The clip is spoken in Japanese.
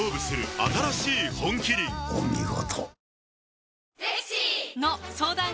お見事。